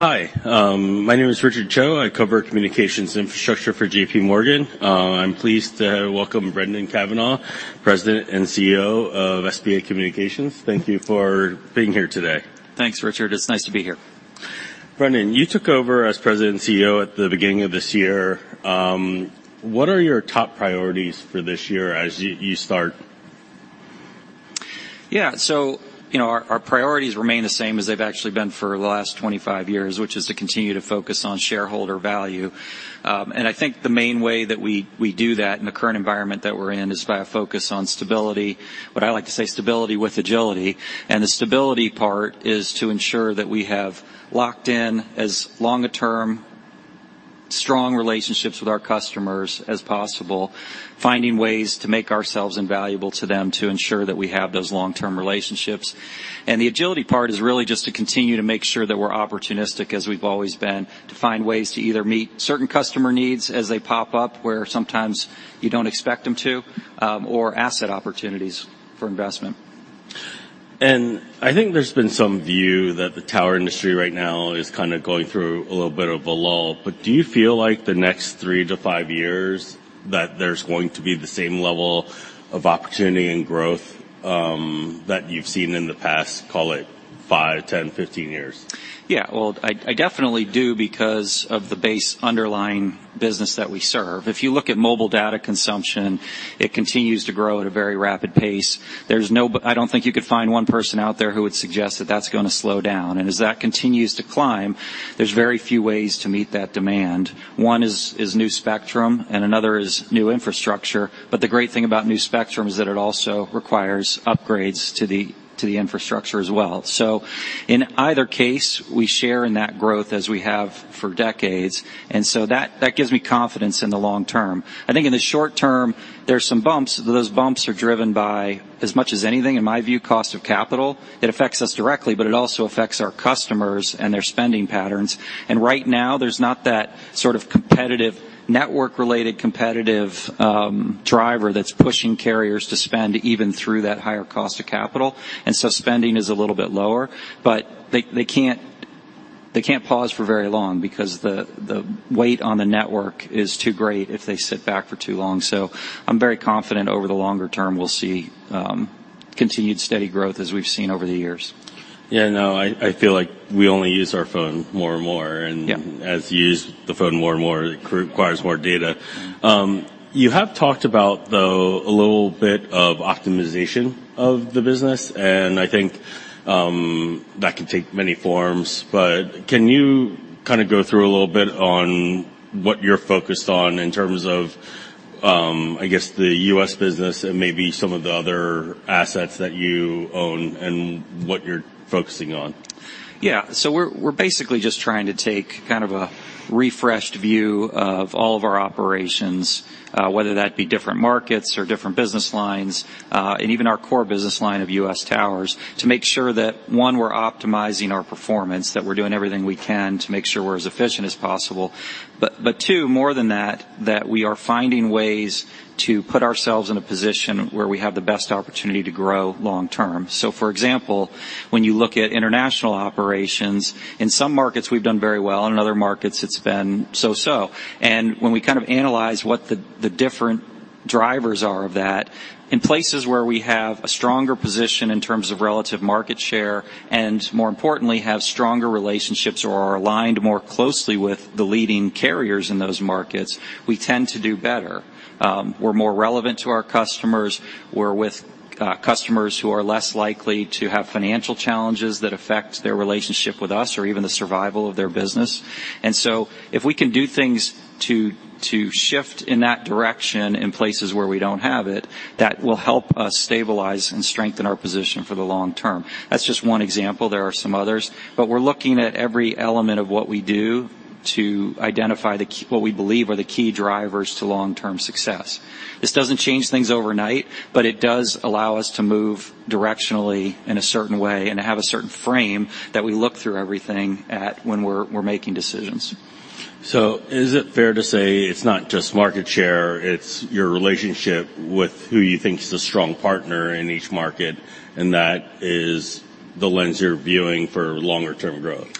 Hi, my name is Richard Choe. I cover communications infrastructure for JPMorgan. I'm pleased to welcome Brendan Cavanagh, President and CEO of SBA Communications. Thank you for being here today. Thanks, Richard. It's nice to be here. Brendan, you took over as President and CEO at the beginning of this year. What are your top priorities for this year as you, you start? Yeah, so, you know, our priorities remain the same as they've actually been for the last 25 years, which is to continue to focus on shareholder value. And I think the main way that we do that in the current environment that we're in is by a focus on stability, but I like to say stability with agility. And the stability part is to ensure that we have locked in as long a term, strong relationships with our customers as possible, finding ways to make ourselves invaluable to them, to ensure that we have those long-term relationships. And the agility part is really just to continue to make sure that we're opportunistic, as we've always been, to find ways to either meet certain customer needs as they pop up, where sometimes you don't expect them to, or asset opportunities for investment. I think there's been some view that the tower industry right now is kind of going through a little bit of a lull, but do you feel like the next three to five years, that there's going to be the same level of opportunity and growth that you've seen in the past, call it five, 10, 15 years? Yeah, well, I definitely do because of the base underlying business that we serve. If you look at mobile data consumption, it continues to grow at a very rapid pace. I don't think you could find one person out there who would suggest that that's gonna slow down. And as that continues to climb, there's very few ways to meet that demand. One is new spectrum, and another is new infrastructure, but the great thing about new spectrum is that it also requires upgrades to the infrastructure as well. So in either case, we share in that growth as we have for decades, and so that gives me confidence in the long term. I think in the short-term, there's some bumps. Those bumps are driven by, as much as anything, in my view, cost of capital. It affects us directly, but it also affects our customers and their spending patterns. Right now, there's not that sort of competitive, network-related, competitive driver that's pushing carriers to spend even through that higher cost of capital, and so spending is a little bit lower. But they can't pause for very long because the weight on the network is too great if they sit back for too long. So I'm very confident over the longer term, we'll see continued steady growth as we've seen over the years. Yeah, no, I feel like we only use our phone more and more- and as you use the phone more and more, it requires more data. You have talked about, though, a little bit of optimization of the business, and I think that can take many forms, but can you kind of go through a little bit on what you're focused on in terms of, I guess, the U.S. business and maybe some of the other assets that you own and what you're focusing on? Yeah. So we're basically just trying to take kind of a refreshed view of all of our operations, whether that be different markets or different business lines, and even our core business line of U.S. towers, to make sure that, one, we're optimizing our performance, that we're doing everything we can to make sure we're as efficient as possible. But two, more than that, that we are finding ways to put ourselves in a position where we have the best opportunity to grow long term. So for example, when you look at international operations, in some markets, we've done very well, in other markets, it's been so-so. And when we kind of analyze what the different drivers are of that, in places where we have a stronger position in terms of relative market share, and more importantly, have stronger relationships or are aligned more closely with the leading carriers in those markets, we tend to do better. We're more relevant to our customers. We're with customers who are less likely to have financial challenges that affect their relationship with us or even the survival of their business. And so if we can do things to shift in that direction in places where we don't have it, that will help us stabilize and strengthen our position for the long term. That's just one example. There are some others, but we're looking at every element of what we do to identify what we believe are the key drivers to long-term success. This doesn't change things overnight, but it does allow us to move directionally in a certain way and have a certain frame that we look through everything at, when we're making decisions. So is it fair to say it's not just market share, it's your relationship with who you think is a strong partner in each market, and that is the lens you're viewing for longer-term growth?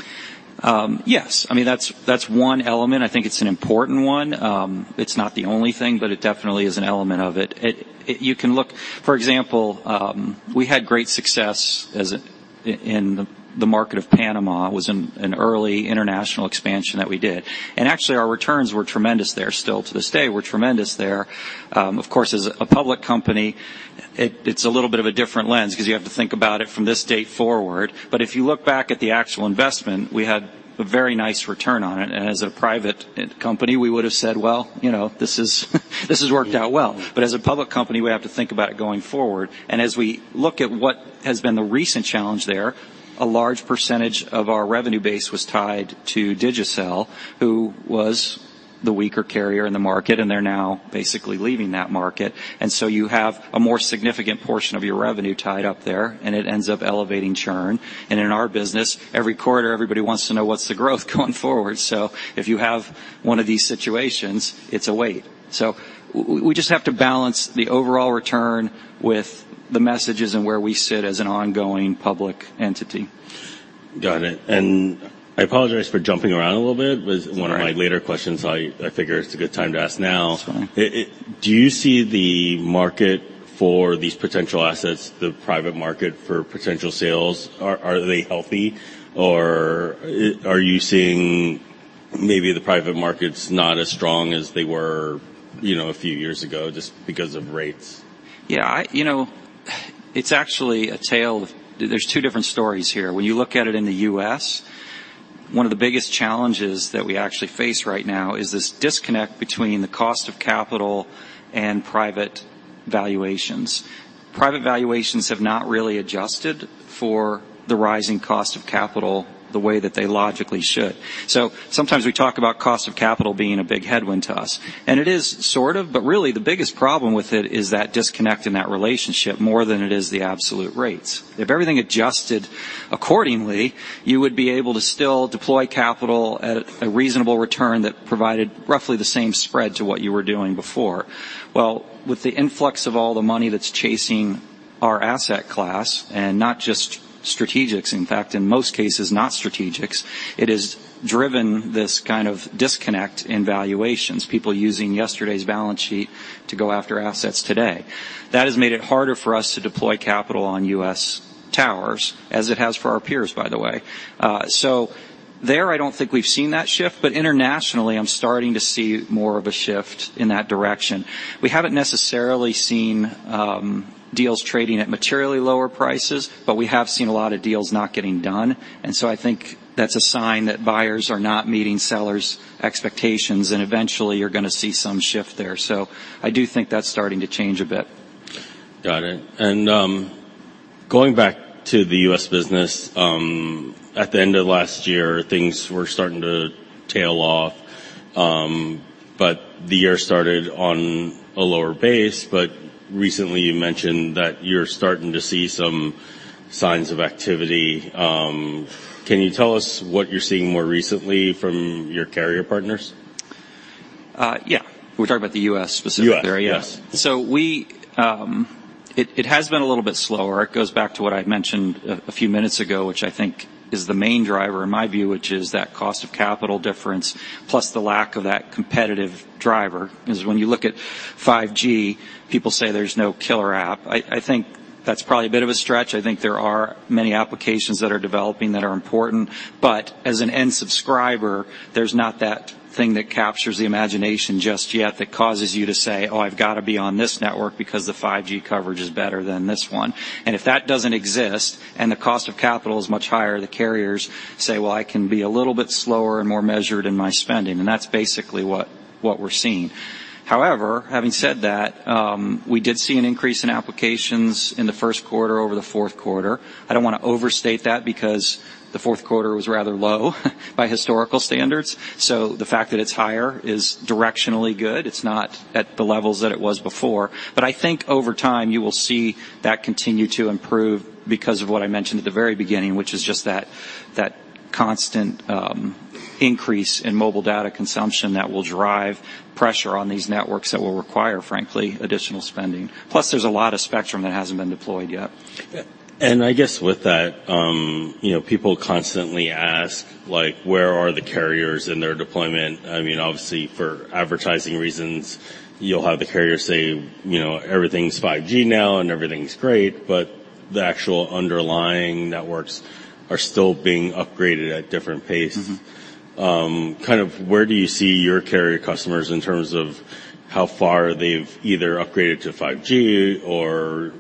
Yes. I mean, that's, that's one element. I think it's an important one. It's not the only thing, but it definitely is an element of it. You can look, for example, we had great success in the market of Panama, an early international expansion that we did, and actually, our returns were tremendous there. Still, to this day, we're tremendous there. Of course, as a public company, it's a little bit of a different lens because you have to think about it from this date forward. But if you look back at the actual investment, we had a very nice return on it. As a private company, we would have said, "Well, you know, this is, this has worked out well." But as a public company, we have to think about it going forward. And as we look at what has been the recent challenge there, a large percentage of our revenue base was tied to Digicel, who was the weaker carrier in the market, and they're now basically leaving that market. And so you have a more significant portion of your revenue tied up there, and it ends up elevating churn. And in our business, every quarter, everybody wants to know what's the growth going forward. So if you have one of these situations, it's a wait. So we just have to balance the overall return with the messages and where we sit as an ongoing public entity. Got it. And I apologize for jumping around a little bit, butOne of my later questions, I figure it's a good time to ask now. That's fine. Do you see the market for these potential assets, the private market for potential sales, are they healthy, or are you seeing maybe the private market's not as strong as they were, you know, a few years ago, just because of rates? Yeah, you know, it's actually a tale of. There's two different stories here. When you look at it in the U.S., one of the biggest challenges that we actually face right now is this disconnect between the cost of capital and private valuations. Private valuations have not really adjusted for the rising cost of capital the way that they logically should. So sometimes we talk about cost of capital being a big headwind to us, and it is, sort of, but really, the biggest problem with it is that disconnect in that relationship more than it is the absolute rates. If everything adjusted accordingly, you would be able to still deploy capital at a reasonable return that provided roughly the same spread to what you were doing before. Well, with the influx of all the money that's chasing our asset class, and not just strategics, in fact, in most cases, not strategics, it has driven this kind of disconnect in valuations, people using yesterday's balance sheet to go after assets today. That has made it harder for us to deploy capital on U.S. towers, as it has for our peers, by the way. So there, I don't think we've seen that shift, but internationally, I'm starting to see more of a shift in that direction. We haven't necessarily seen, deals trading at materially lower prices, but we have seen a lot of deals not getting done, and so I think that's a sign that buyers are not meeting sellers' expectations, and eventually, you're gonna see some shift there. So I do think that's starting to change a bit. Got it. And going back to the U.S. business, at the end of last year, things were starting to tail off, but the year started on a lower base. But recently, you mentioned that you're starting to see some signs of activity. Can you tell us what you're seeing more recently from your carrier partners? Yeah. We're talking about the U.S. specifically? U.S., yes. It has been a little bit slower. It goes back to what I mentioned a few minutes ago, which I think is the main driver in my view, which is that cost of capital difference, plus the lack of that competitive driver. Because when you look at 5G, people say there's no killer app. I think that's probably a bit of a stretch. I think there are many applications that are developing that are important, but as an end subscriber, there's not that thing that captures the imagination just yet, that causes you to say, "Oh, I've got to be on this network because the 5G coverage is better than this one." And if that doesn't exist, and the cost of capital is much higher, the carriers say, "Well, I can be a little bit slower and more measured in my spending," and that's basically what we're seeing. However, having said that, we did see an increase in applications in the first quarter over the fourth quarter. I don't want to overstate that because the fourth quarter was rather low, by historical standards, so the fact that it's higher is directionally good. It's not at the levels that it was before, but I think over time, you will see that continue to improve because of what I mentioned at the very beginning, which is just that, that constant, increase in mobile data consumption that will drive pressure on these networks that will require, frankly, additional spending. Plus, there's a lot of spectrum that hasn't been deployed yet. I guess with that, you know, people constantly ask, like, where are the carriers in their deployment? I mean, obviously, for advertising reasons, you'll have the carrier say, you know, "Everything's 5G now, and everything's great," but the actual underlying networks are still being upgraded at different paces. Kind of, where do you see your carrier customers in terms of how far they've either upgraded to 5G or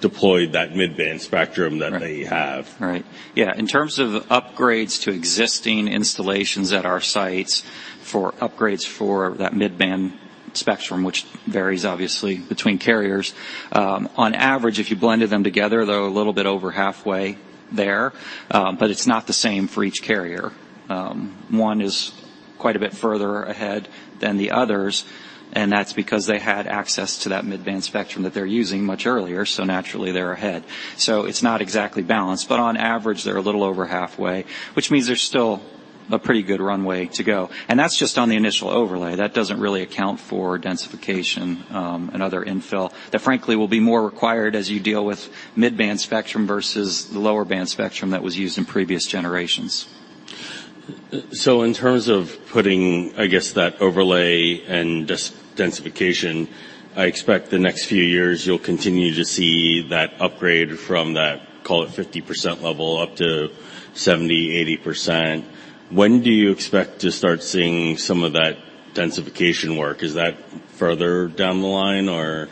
deployed that mid-band spectrum? that they have? Right. Yeah, in terms of upgrades to existing installations at our sites for upgrades for that mid-band spectrum, which varies obviously between carriers, on average, if you blended them together, they're a little bit over halfway there, but it's not the same for each carrier. One is quite a bit further ahead than the others, and that's because they had access to that mid-band spectrum that they're using much earlier, so naturally, they're ahead. So it's not exactly balanced, but on average, they're a little over halfway, which means there's still a pretty good runway to go. And that's just on the initial overlay. That doesn't really account for densification, and other infill, that frankly, will be more required as you deal with mid-band spectrum versus the lower-band spectrum that was used in previous generations. So in terms of putting, I guess, that overlay and densification, I expect the next few years you'll continue to see that upgrade from that, call it 50% level, up to 70%, 80%. When do you expect to start seeing some of that densification work? Is that further down the line, or?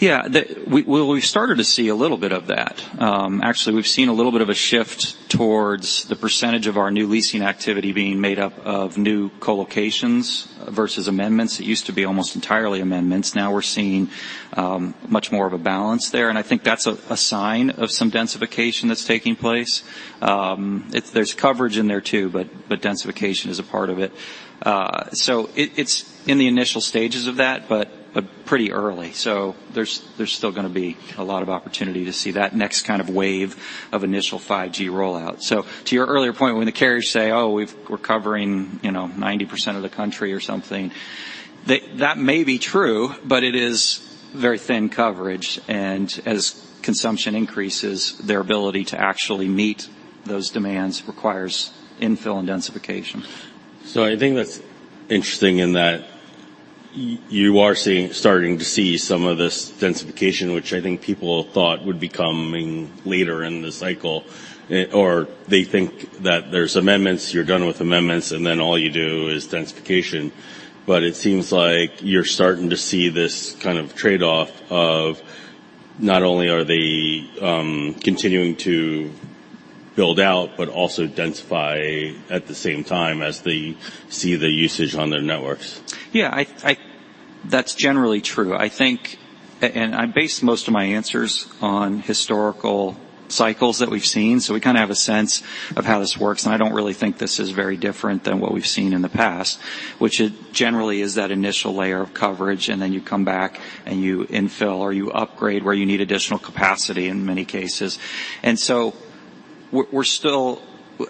Yeah. We've started to see a little bit of that. Actually, we've seen a little bit of a shift towards the percentage of our new leasing activity being made up of new co-locations versus amendments. It used to be almost entirely amendments. Now we're seeing much more of a balance there, and I think that's a sign of some densification that's taking place. It's, there's coverage in there, too, but densification is a part of it. So it's in the initial stages of that, but pretty early. So there's still gonna be a lot of opportunity to see that next kind of wave of initial 5G rollout. So to your earlier point, when the carriers say, "Oh, we've, we're covering, you know, 90% of the country or something." That, that may be true, but it is very thin coverage, and as consumption increases, their ability to actually meet those demands requires infill and densification. So I think that's interesting in that you are starting to see some of this densification, which I think people thought would be coming later in the cycle. Or they think that there's amendments, you're done with amendments, and then all you do is densification. But it seems like you're starting to see this kind of trade-off of not only are they continuing to build out, but also densify at the same time as they see the usage on their networks. Yeah, that's generally true. I think, I base most of my answers on historical cycles that we've seen, so we kind of have a sense of how this works, and I don't really think this is very different than what we've seen in the past, which is generally that initial layer of coverage, and then you come back and you infill or you upgrade where you need additional capacity in many cases. And so we're still...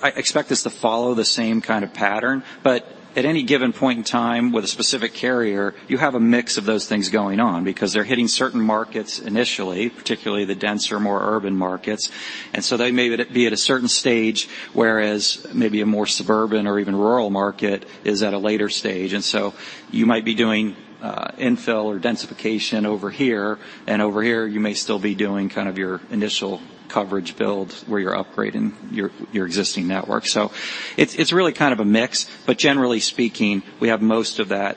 I expect this to follow the same kind of pattern, but at any given point in time, with a specific carrier, you have a mix of those things going on because they're hitting certain markets initially, particularly the denser, more urban markets, and so they may be at a certain stage, whereas maybe a more suburban or even rural market is at a later stage. And so you might be doing infill or densification over here, and over here, you may still be doing kind of your initial coverage build, where you're upgrading your existing network. So it's really kind of a mix, but generally speaking, we have most of that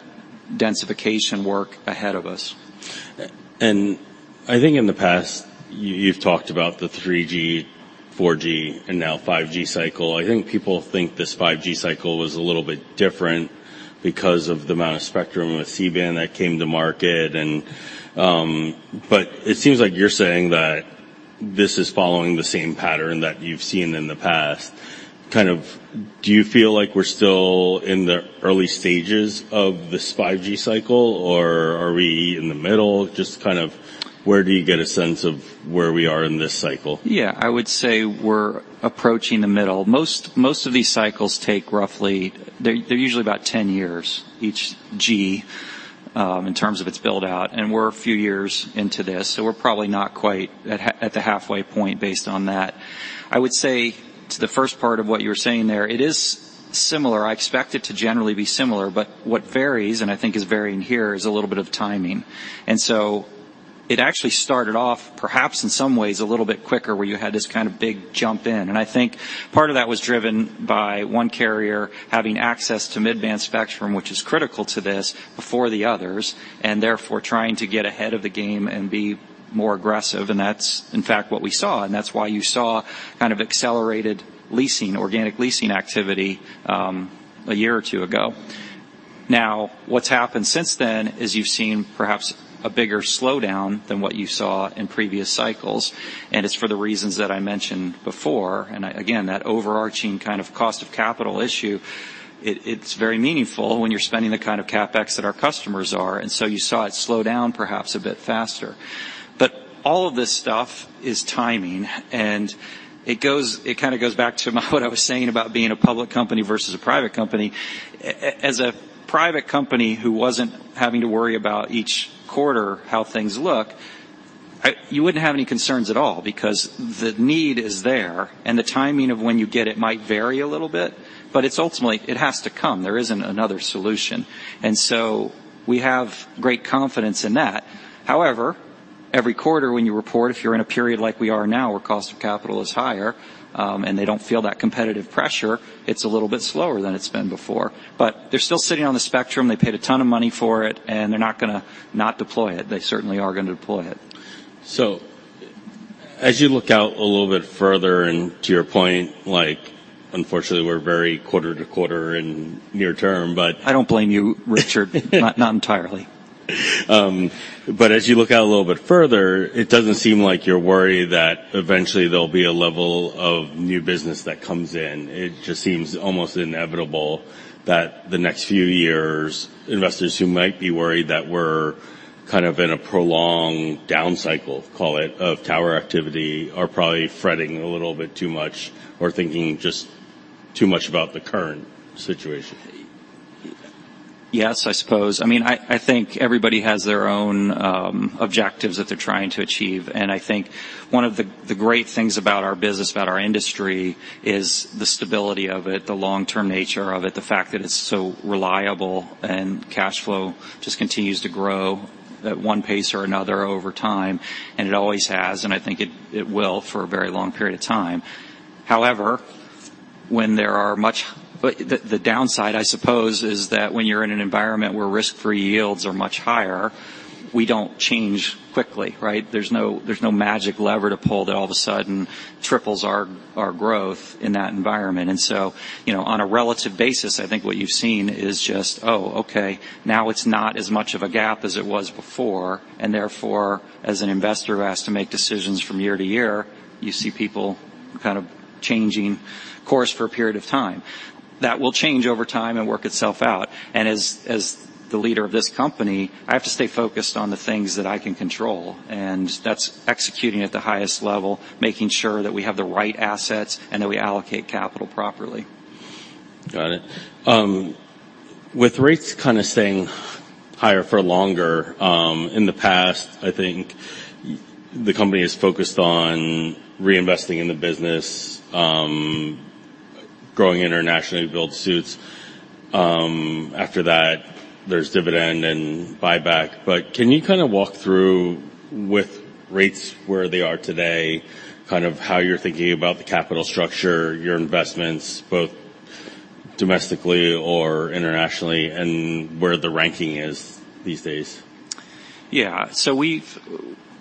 densification work ahead of us. I think in the past, you've talked about the 3G, 4G, and now 5G cycle. I think people think this 5G cycle was a little bit different because of the amount of spectrum with C-band that came to market and, but it seems like you're saying that this is following the same pattern that you've seen in the past. Kind of, do you feel like we're still in the early stages of this 5G cycle, or are we in the middle? Just kind of where do you get a sense of where we are in this cycle? Yeah, I would say we're approaching the middle. Most of these cycles take roughly, they're usually about 10 years, each G, in terms of its build-out, and we're a few years into this, so we're probably not quite at the halfway point based on that. I would say to the first part of what you were saying there, it is similar. I expect it to generally be similar, but what varies, and I think is varying here, is a little bit of timing. And so it actually started off, perhaps in some ways, a little bit quicker, where you had this kind of big jump in. And I think part of that was driven by one carrier having access to mid-band spectrum, which is critical to this, before the others, and therefore trying to get ahead of the game and be more aggressive. And that's, in fact, what we saw, and that's why you saw kind of accelerated leasing, organic leasing activity, a year or two ago. Now, what's happened since then is you've seen perhaps a bigger slowdown than what you saw in previous cycles, and it's for the reasons that I mentioned before. And again, that overarching kind of cost of capital issue, it, it's very meaningful when you're spending the kind of CapEx that our customers are, and so you saw it slow down perhaps a bit faster. But all of this stuff is timing, and it goes, it kind of goes back to what I was saying about being a public company versus a private company. As a private company who wasn't having to worry about each quarter, how things look. You wouldn't have any concerns at all because the need is there, and the timing of when you get it might vary a little bit, but it's ultimately, it has to come. There isn't another solution, and so we have great confidence in that. However, every quarter, when you report, if you're in a period like we are now, where cost of capital is higher, and they don't feel that competitive pressure, it's a little bit slower than it's been before. But they're still sitting on the spectrum. They paid a ton of money for it, and they're not gonna not deploy it. They certainly are gonna deploy it. So as you look out a little bit further, and to your point, like, unfortunately, we're very quarter to quarter in near-term. I don't blame you, Richard. Not, not entirely. But as you look out a little bit further, it doesn't seem like you're worried that eventually there'll be a level of new business that comes in. It just seems almost inevitable that the next few years, investors who might be worried that we're kind of in a prolonged down cycle, call it, of tower activity, are probably fretting a little bit too much or thinking just too much about the current situation. Yes, I suppose. I mean, I think everybody has their own objectives that they're trying to achieve, and I think one of the great things about our business, about our industry, is the stability of it, the long-term nature of it, the fact that it's so reliable and cash flow just continues to grow at one pace or another over time, and it always has, and I think it will for a very long period of time. But the downside, I suppose, is that when you're in an environment where risk-free yields are much higher, we don't change quickly, right? There's no magic lever to pull that all of a sudden triples our growth in that environment. And so, you know, on a relative basis, I think what you've seen is just: Oh, okay, now it's not as much of a gap as it was before, and therefore, as an investor who has to make decisions from year to year, you see people kind of changing course for a period of time. That will change over time and work itself out, and as the leader of this company, I have to stay focused on the things that I can control, and that's executing at the highest level, making sure that we have the right assets and that we allocate capital properly. ...Got it. With rates kind of staying higher for longer, in the past, I think the company is focused on reinvesting in the business, growing internationally to build scale. After that, there's dividend and buyback. But can you kind of walk through with rates where they are today, kind of how you're thinking about the capital structure, your investments, both domestically or internationally, and where the ranking is these days? Yeah. So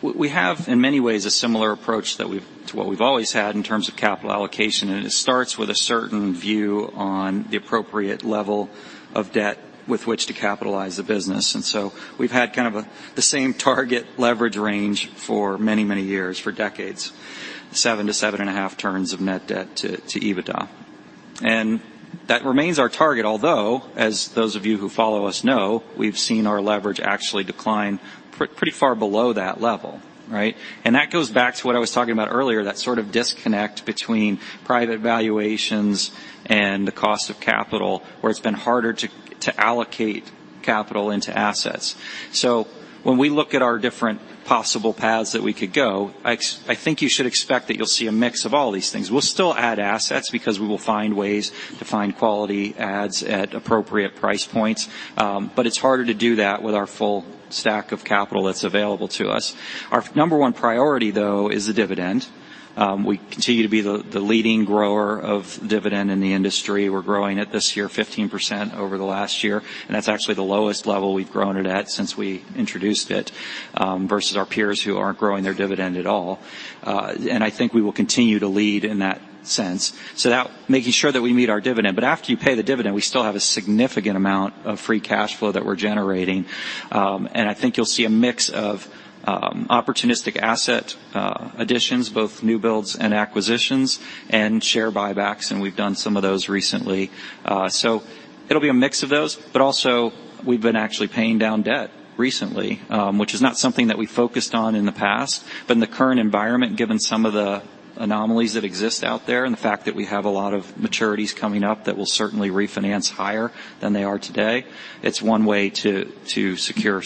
we have, in many ways, a similar approach that we've to what we've always had in terms of capital allocation, and it starts with a certain view on the appropriate level of debt with which to capitalize the business. And so we've had kind of a the same target leverage range for many, many years, for decades, 7x-7.5x t of net debt to EBITDA. And that remains our target, although, as those of you who follow us know, we've seen our leverage actually decline pretty far below that level, right? And that goes back to what I was talking about earlier, that sort of disconnect between private valuations and the cost of capital, where it's been harder to allocate capital into assets. So when we look at our different possible paths that we could go, I think you should expect that you'll see a mix of all these things. We'll still add assets because we will find ways to find quality adds at appropriate price points, but it's harder to do that with our full stack of capital that's available to us. Our number one priority, though, is the dividend. We continue to be the leading grower of dividend in the industry. We're growing it this year, 15% over the last year, and that's actually the lowest level we've grown it at since we introduced it, versus our peers who aren't growing their dividend at all. And I think we will continue to lead in that sense, so that making sure that we meet our dividend. But after you pay the dividend, we still have a significant amount of free cash flow that we're generating. And I think you'll see a mix of opportunistic asset additions, both new builds and acquisitions, and share buybacks, and we've done some of those recently. So it'll be a mix of those, but also, we've been actually paying down debt recently, which is not something that we focused on in the past. But in the current environment, given some of the anomalies that exist out there and the fact that we have a lot of maturities coming up that will certainly refinance higher than they are today, it's one way to secure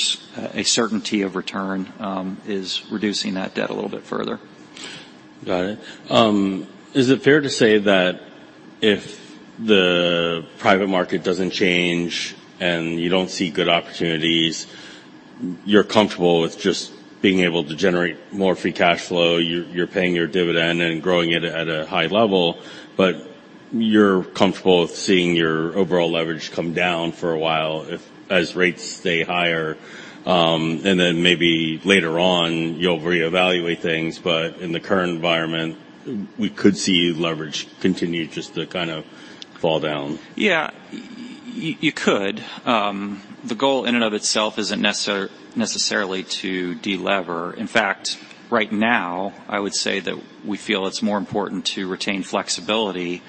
a certainty of return is reducing that debt a little bit further. Got it. Is it fair to say that if the private market doesn't change and you don't see good opportunities, you're comfortable with just being able to generate more free cash flow? You're paying your dividend and growing it at a high level, but you're comfortable with seeing your overall leverage come down for a while if, as rates stay higher, and then maybe later on, you'll reevaluate things. But in the current environment, we could see leverage continue just to kind of fall down. Yeah, you could. The goal in and of itself isn't necessarily to delever. In fact, right now, I would say that we feel it's more important to retain flexibility,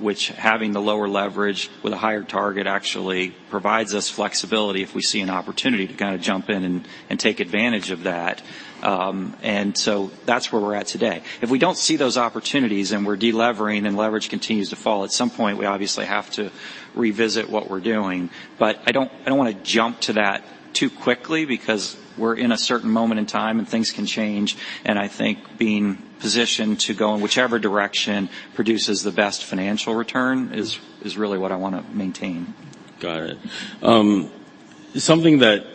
which having the lower leverage with a higher target actually provides us flexibility if we see an opportunity to kind of jump in and take advantage of that. And so that's where we're at today. If we don't see those opportunities and we're delevering and leverage continues to fall, at some point, we obviously have to revisit what we're doing. But I don't want to jump to that too quickly because we're in a certain moment in time, and things can change, and I think being positioned to go in whichever direction produces the best financial return is really what I wanna maintain. Got it. Something that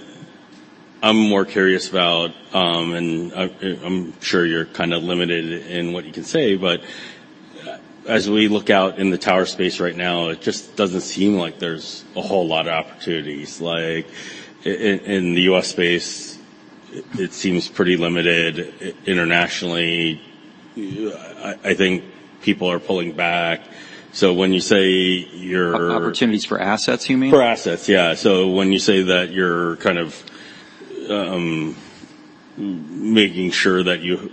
I'm more curious about, and I'm sure you're kind of limited in what you can say, but as we look out in the tower space right now, it just doesn't seem like there's a whole lot of opportunities. Like, in the U.S. space, it seems pretty limited. Internationally, I think people are pulling back. So when you say you're. Opportunities for assets, you mean? For assets, yeah. So when you say that you're kind of making sure that you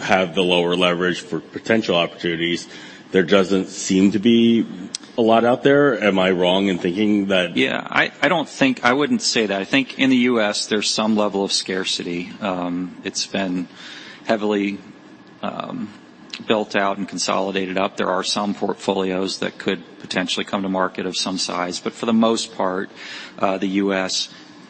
have the lower leverage for potential opportunities, there doesn't seem to be a lot out there. Am I wrong in thinking that? Yeah, I don't think. I wouldn't say that. I think in the U.S., there's some level of scarcity. It's been heavily built out and consolidated up. There are some portfolios that could potentially come to market of some size. But for the most part, the U.S.,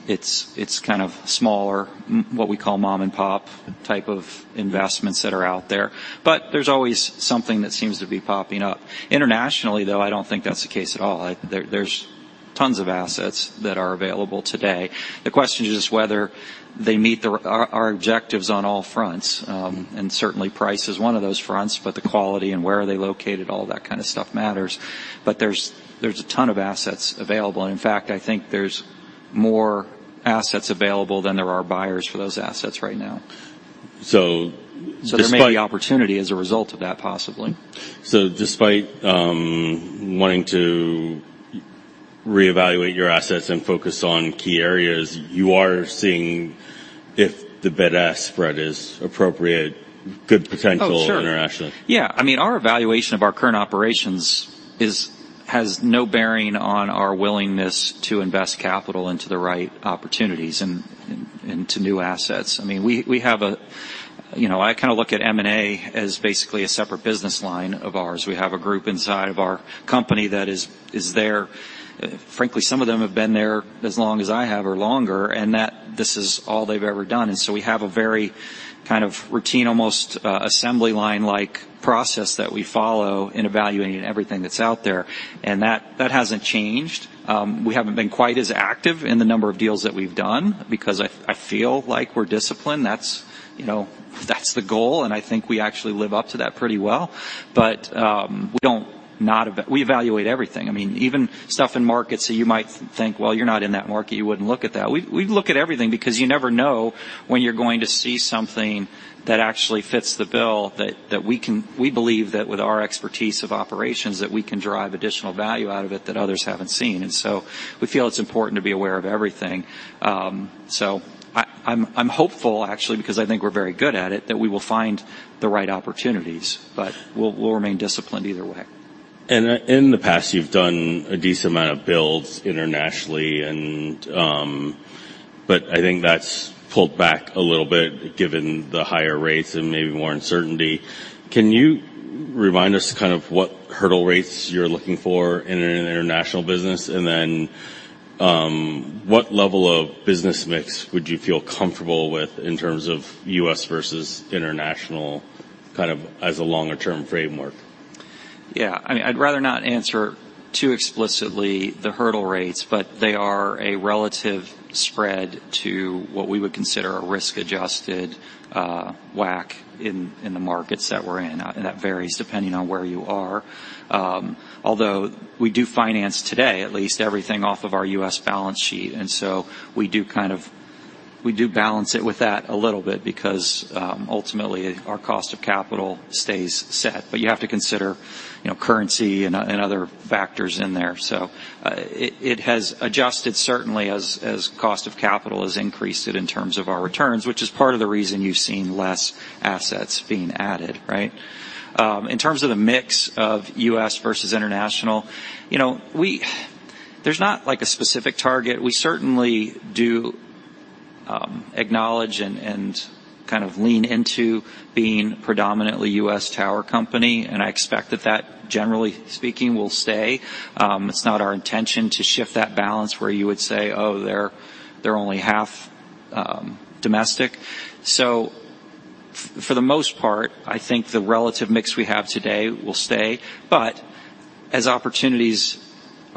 it's kind of smaller, what we call mom-and-pop type of investments that are out there. But there's always something that seems to be popping up. Internationally, though, I don't think that's the case at all. There, there's tons of assets that are available today. The question is whether they meet our objectives on all fronts, and certainly, price is one of those fronts, but the quality and where are they located, all that kind of stuff matters. But there's a ton of assets available. In fact, I think there's more assets available than there are buyers for those assets right now. So despite. There may be opportunity as a result of that, possibly. So despite wanting to reevaluate your assets and focus on key areas, you are seeing if the bid-ask spread is appropriate, good potential. Oh, sure. Internationally. Yeah. I mean, our evaluation of our current operations has no bearing on our willingness to invest capital into the right opportunities and to new assets. I mean, we have. You know, I kind of look at M&A as basically a separate business line of ours. We have a group inside of our company that is there. Frankly, some of them have been there as long as I have or longer, and that this is all they've ever done. And so we have a very kind of routine, almost, assembly line-like process that we follow in evaluating everything that's out there, and that hasn't changed. We haven't been quite as active in the number of deals that we've done because I feel like we're disciplined. That's, you know, that's the goal, and I think we actually live up to that pretty well. But we evaluate everything. I mean, even stuff in markets that you might think, well, you're not in that market, you wouldn't look at that. We look at everything because you never know when you're going to see something that actually fits the bill that we can we believe that with our expertise of operations, that we can drive additional value out of it that others haven't seen, and so we feel it's important to be aware of everything. So I'm hopeful, actually, because I think we're very good at it, that we will find the right opportunities, but we'll remain disciplined either way. In the past, you've done a decent amount of builds internationally, and, but I think that's pulled back a little bit, given the higher rates and maybe more uncertainty. Can you remind us kind of what hurdle rates you're looking for in an international business? Then, what level of business mix would you feel comfortable with in terms of U.S. versus international, kind of, as a longer-term framework? Yeah. I mean, I'd rather not answer too explicitly the hurdle rates, but they are a relative spread to what we would consider a risk-adjusted WACC in the markets that we're in. And that varies depending on where you are. Although we do finance today, at least everything off of our U.S. balance sheet, and so we do kind of balance it with that a little bit because, ultimately, our cost of capital stays set. But you have to consider, you know, currency and other factors in there. So, it has adjusted certainly as cost of capital has increased it in terms of our returns, which is part of the reason you've seen less assets being added, right? In terms of the mix of U.S. versus international, you know, there's not, like, a specific target. We certainly do, acknowledge and kind of lean into being predominantly U.S. tower company, and I expect that that, generally speaking, will stay. It's not our intention to shift that balance where you would say, "Oh, they're only half domestic." So for the most part, I think the relative mix we have today will stay, but as opportunities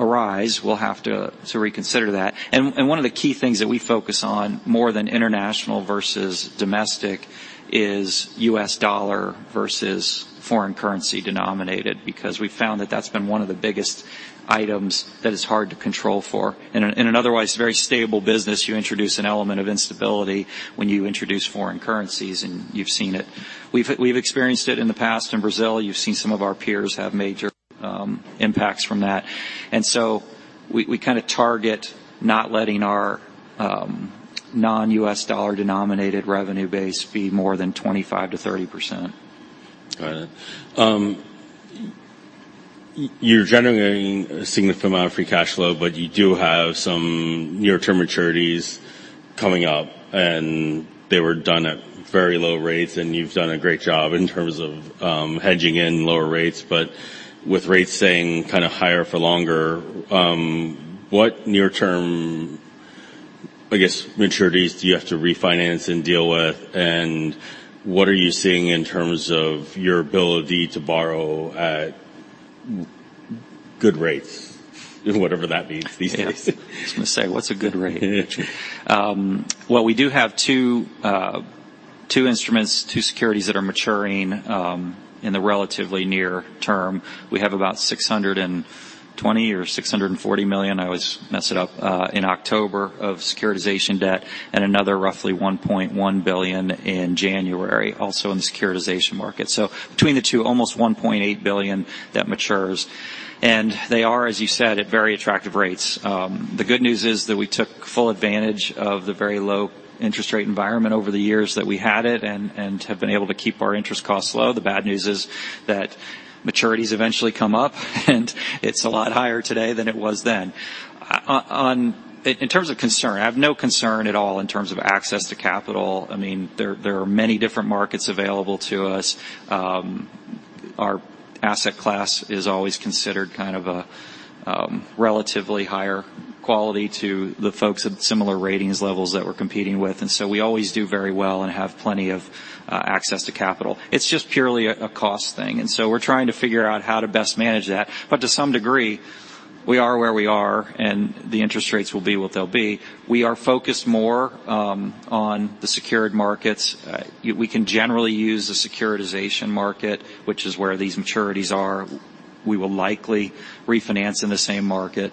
arise, we'll have to reconsider that. And one of the key things that we focus on, more than international versus domestic, is U.S. dollar versus foreign currency denominated, because we've found that that's been one of the biggest items that is hard to control for. In an otherwise very stable business, you introduce an element of instability when you introduce foreign currencies, and you've seen it. We've experienced it in the past in Brazil. You've seen some of our peers have major impacts from that. And so we kinda target not letting our non-U.S. dollar-denominated revenue base be more than 25%-30%. Got it. You're generating a significant amount of free cash flow, but you do have some near-term maturities coming up, and they were done at very low rates, and you've done a great job in terms of hedging in lower rates. But with rates staying kinda higher for longer, what near-term, I guess, maturities do you have to refinance and deal with, and what are you seeing in terms of your ability to borrow at good rates? Whatever that means these days. Yeah. I was gonna say, what's a good rate? Yeah. Well, we do have two, two instruments, two securities that are maturing, in the relatively near term. We have about $620 million-$640 million, I always mess it up, in October, of securitization debt, and another roughly $1.1 billion in January, also in the securitization market. So between the two, almost $1.8 billion that matures, and they are, as you said, at very attractive rates. The good news is that we took full advantage of the very low interest rate environment over the years that we had it and, and have been able to keep our interest costs low. The bad news is that maturities eventually come up, and it's a lot higher today than it was then. In terms of concern, I have no concern at all in terms of access to capital. I mean, there, there are many different markets available to us. Our asset class is always considered kind of a, relatively higher quality to the folks at similar ratings levels that we're competing with, and so we always do very well and have plenty of, access to capital. It's just purely a, a cost thing, and so we're trying to figure out how to best manage that. But to some degree, we are where we are, and the interest rates will be what they'll be. We are focused more, on the secured markets. We can generally use the securitization market, which is where these maturities are. We will likely refinance in the same market,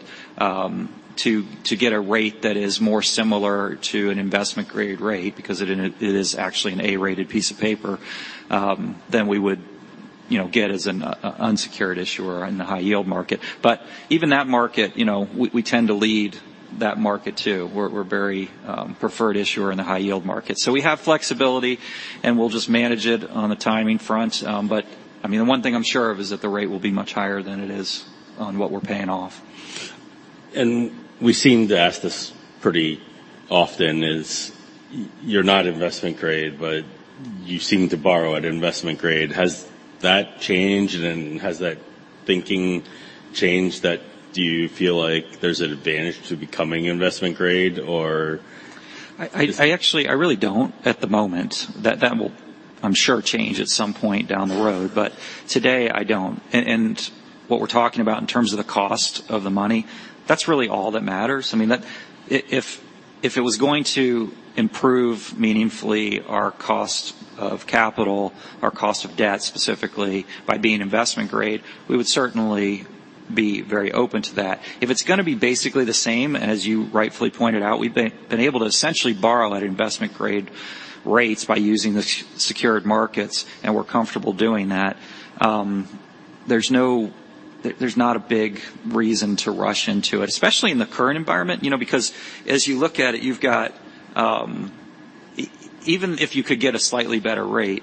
to get a rate that is more similar to an investment-grade rate, because it is actually an A-rated piece of paper, than we would, you know, get as an unsecured issuer in the high-yield market. But even that market, you know, we tend to lead that market, too. We're very preferred issuer in the high-yield market. So we have flexibility, and we'll just manage it on the timing front. But, I mean, the one thing I'm sure of is that the rate will be much higher than it is on what we're paying off. We seem to ask this pretty often, is you're not investment grade, but you seem to borrow at investment grade. Has that changed, and has that thinking changed, that do you feel like there's an advantage to becoming investment grade, or? I actually, I really don't at the moment. That will, I'm sure, change at some point down the road, but today I don't. And what we're talking about in terms of the cost of the money, that's really all that matters. I mean, that. If it was going to improve meaningfully our cost of capital, our cost of debt, specifically by being investment grade, we would certainly be very open to that. If it's gonna be basically the same, as you rightfully pointed out, we've been able to essentially borrow at investment grade rates by using the secured markets, and we're comfortable doing that. There's not a big reason to rush into it, especially in the current environment, you know, because as you look at it, you've got even if you could get a slightly better rate,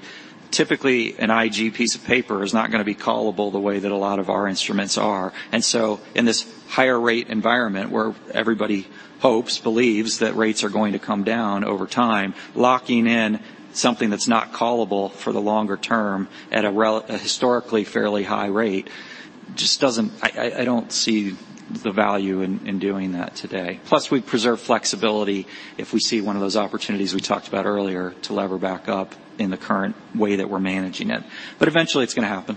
typically an IG piece of paper is not gonna be callable the way that a lot of our instruments are. And so in this higher rate environment, where everybody hopes, believes, that rates are going to come down over time, locking in something that's not callable for the longer term at a historically fairly high rate, just doesn't. I don't see the value in doing that today. Plus, we preserve flexibility if we see one of those opportunities we talked about earlier to lever back up in the current way that we're managing it, but eventually it's gonna happen.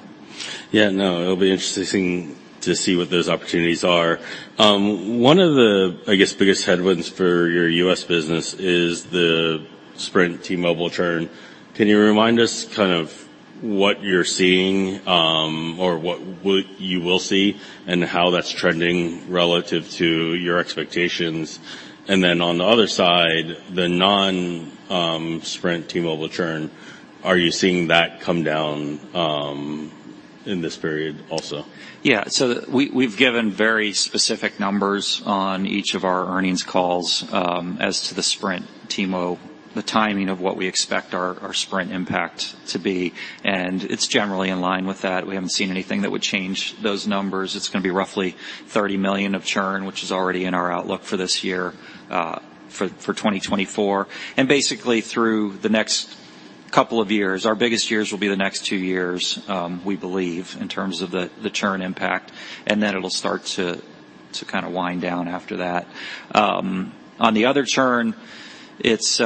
Yeah, no, it'll be interesting to see what those opportunities are. One of the, I guess, biggest headwinds for your U.S. business is the Sprint T-Mobile churn. Can you remind us kind of what you're seeing, or what you will see, and how that's trending relative to your expectations? And then on the other side, the non-Sprint, T-Mobile churn, are you seeing that come down, in this period also? Yeah. So we, we've given very specific numbers on each of our earnings calls as to the Sprint T-Mo, the timing of what we expect our, our Sprint impact to be, and it's generally in line with that. We haven't seen anything that would change those numbers. It's gonna be roughly $30 million of churn, which is already in our outlook for this year, for 2024. And basically, through the next couple of years, our biggest years will be the next two years, we believe, in terms of the, the churn impact, and then it'll start to, to kinda wind down after that. On the other churn, it's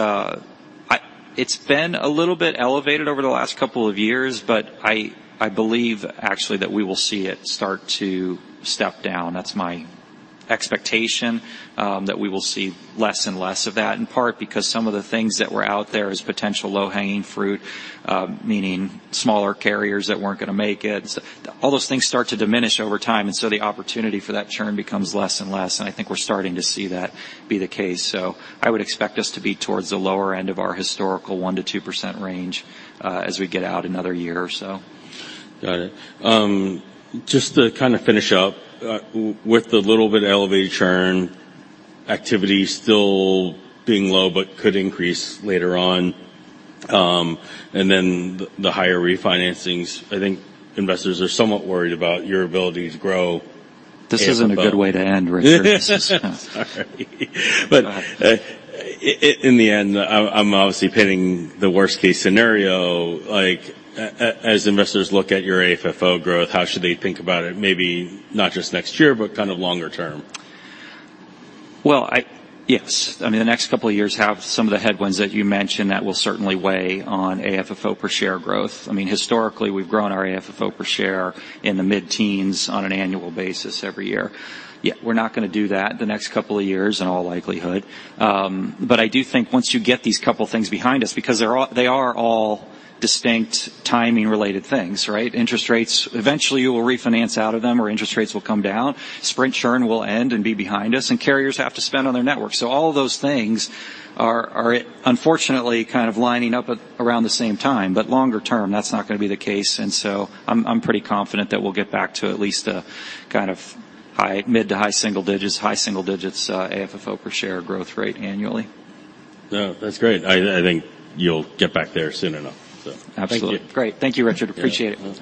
it's been a little bit elevated over the last couple of years, but I, I believe, actually, that we will see it start to step down. That's my expectation, that we will see less and less of that, in part because some of the things that were out there as potential low-hanging fruit, meaning smaller carriers that weren't gonna make it. All those things start to diminish over time, and so the opportunity for that churn becomes less and less, and I think we're starting to see that be the case. So I would expect us to be towards the lower end of our historical 1%-2% range, as we get out another year or so. Got it. Just to kind of finish up, with the little bit of elevated churn, activity still being low, but could increase later on, and then the, the higher refinancings, I think investors are somewhat worried about your ability to grow. This isn't a good way to end, Richard. Sorry. But, in the end, I'm obviously painting the worst-case scenario, like, as investors look at your AFFO growth, how should they think about it, maybe not just next year, but kind of longer term? Well, yes. I mean, the next couple of years have some of the headwinds that you mentioned, that will certainly weigh on AFFO per share growth. I mean, historically, we've grown our AFFO per share in the mid-teens on an annual basis every year. Yeah, we're not gonna do that the next couple of years, in all likelihood. But I do think once you get these couple things behind us, because they're all, they are all distinct, timing-related things, right? Interest rates, eventually, you will refinance out of them, or interest rates will come down. Sprint churn will end and be behind us, and carriers have to spend on their network. So all of those things are, unfortunately, kind of lining up at around the same time. But longer-term, that's not gonna be the case, and so I'm, I'm pretty confident that we'll get back to at least a kind of high, mid to high single digits, high single digits, AFFO per share growth rate annually. No, that's great. I think you'll get back there soon enough, so- Absolutely. Thank you. Great. Thank you, Richard. Appreciate it.